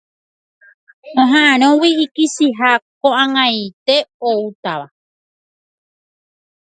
Oha'ãrõgui ikichiha ko'ag̃aite oútava.